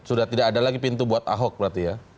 sudah tidak ada lagi pintu buat ahok berarti ya